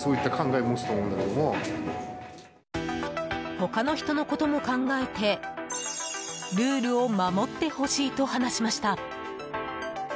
他の人のことも考えてルールを守ってほしいと話しました。